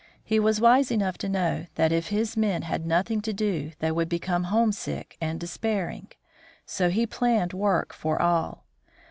He was wise enough to know that, if his men had nothing to do, they would become homesick and despairing; so he planned work for all.